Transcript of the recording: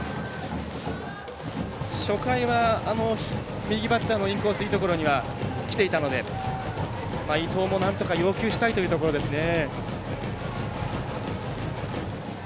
初回は、右バッターのインコースいいところにはきていたので伊藤もなんとか要求したいというところですね。